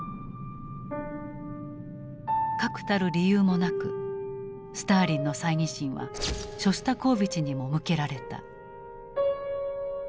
確たる理由もなくスターリンの猜疑心はショスタコーヴィチにも向けられた。